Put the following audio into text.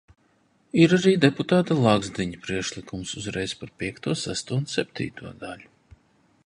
Ir arī deputāta Lagzdiņa priekšlikums uzreiz par piekto, sesto un septīto daļu.